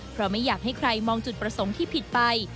เพราะไม่อยากให้ใครมองจุดประสงค์ที่ผิดไป